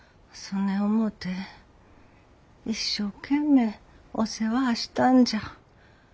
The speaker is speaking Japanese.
そねん思うて一生懸命お世話ぁしたんじゃ。